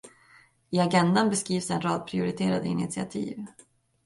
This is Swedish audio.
I agendan beskrivs en rad prioriterade initiativ.